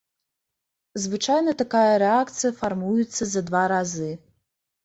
Звычайна такая рэакцыя фармуецца за два разы.